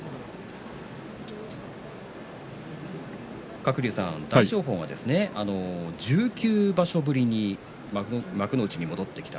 鶴竜さん、大翔鵬が１９場所ぶりに幕内に戻ってきた。